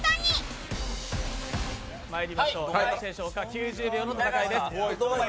９０秒の戦いです。